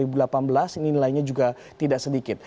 ini nilainya juga tidak sedikit